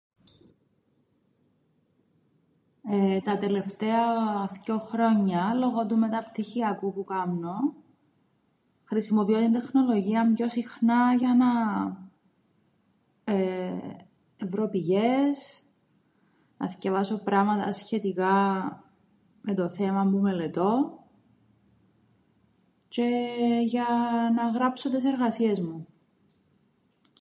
Τα τελευταία θκυο χρόνια λόγον του μεταπτυχιακού που κάμνω χρησιμοποιώ την τεχνολογίαν πιο συχνά για να εεε έβρω πηγές, να θκιαβάσω πράματα σχετικά με το θέμαν που μελετώ τζ̆αι για να γράψω τες εργασίες μου.